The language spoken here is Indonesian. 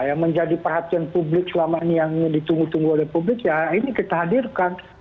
yang menjadi perhatian publik selama ini yang ditunggu tunggu oleh publik ya ini kita hadirkan